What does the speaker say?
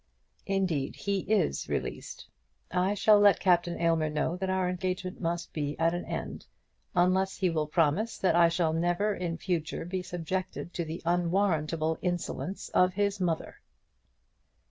"Indeed, he is released. I shall let Captain Aylmer know that our engagement must be at an end, unless he will promise that I shall never in future be subjected to the unwarrantable insolence of his mother."